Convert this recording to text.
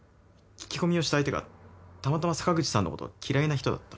聞き込みをした相手がたまたま坂口さんのこと嫌いな人だったのかも。